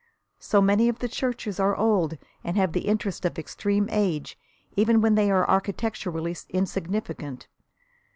So many of the churches are old and have the interest of extreme age, even when they are architecturally insignificant.